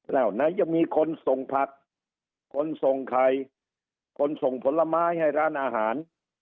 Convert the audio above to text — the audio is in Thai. แล้วไหนจะมีคนส่งผักคนส่งไข่คนส่งผลไม้ให้ร้านอาหาร